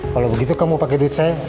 kalau begitu kamu pakai duit saya